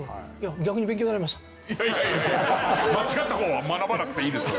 いやいやいやいや間違った方は学ばなくていいです。